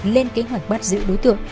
lên kế hoạch bắt giữ đối tượng